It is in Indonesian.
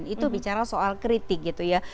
itu bicara soal kritik gitu ya